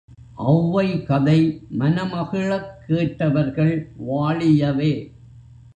ஒளவைகதை மனமகிழக் கேட்டவர்கள் வாழியவே!